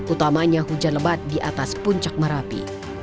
utamanya hujan lebat di atas puncak merapi